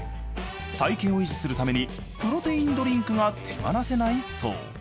体型を維持するためにプロテインドリンクが手放せないそう。